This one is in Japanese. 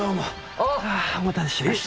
えっ？お待たせしました。